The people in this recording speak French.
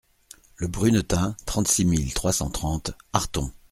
Le Brunetin, trente-six mille trois cent trente Arthon